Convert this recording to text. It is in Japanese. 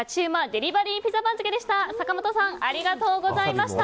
デリバリーピザ番付でした。